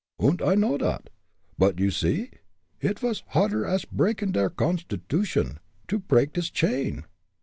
"Und I know dot. But, you see, id vas harder ash breakin' der consditution to preak dis chain."